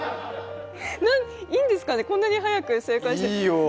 いいんですかね、こんなに早く正解して。